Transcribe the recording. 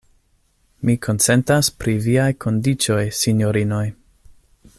Mi konsentas pri viaj kondiĉoj, sinjorinoj.